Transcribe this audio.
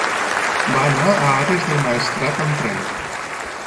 Va anar a Ares del Maestrat amb tren.